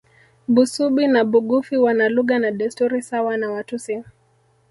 Busubi na Bugufi wana lugha na desturi sawa na Watusi